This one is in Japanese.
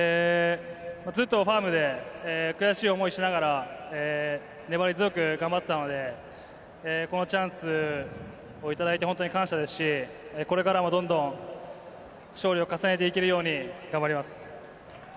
ずっとファームで悔しい思いをしながら粘り強く頑張っていたのでこのチャンスをいただいて感謝ですしこれからもどんどん勝利を重ねていけるよう頑張ります。